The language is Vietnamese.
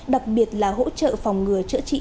đặc biệt là hỗ trợ phòng ngừa chữa trị